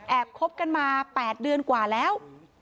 คบกันมา๘เดือนกว่าแล้ว